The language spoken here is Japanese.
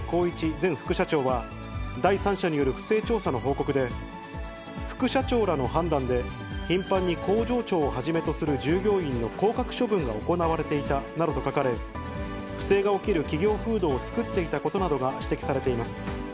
前副社長は、第三者による不正調査の報告で、副社長らの判断で、頻繁に工場長をはじめとする従業員の降格処分が行われていたなどと書かれ、不正が起きる企業風土を作っていたことなどが指摘されています。